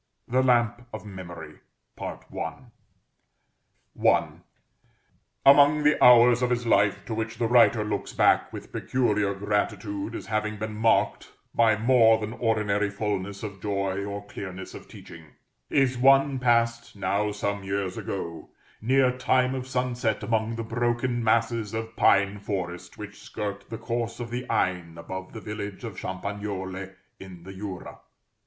THE LAMP OF MEMORY. I. Among the hours of his life to which the writer looks back with peculiar gratitude, as having been marked by more than ordinary fulness of joy or clearness of teaching, is one passed, now some years ago, near time of sunset, among the broken masses of pine forest which skirt the course of the Ain, above the village of Champagnole, in the Jura.